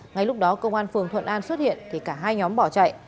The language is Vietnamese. ngay lúc đó công an phường thuận an xuất hiện thì cả hai nhóm bỏ chạy